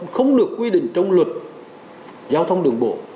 không được quy định trong luật giao thông đường bộ